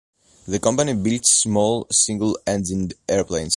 The company builds small single-engined airplanes.